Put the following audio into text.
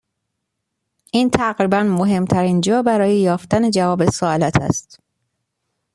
این تقریبا مهمترین جا برای یافتن جواب سوالات است.